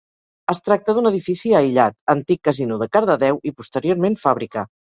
Es tracta d'un edifici aïllat, antic casino de Cardedeu i posteriorment fàbrica.